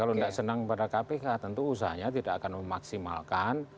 kalau tidak senang pada kpk tentu usahanya tidak akan memaksimalkan